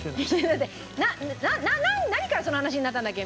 だって何からその話になったんだっけ？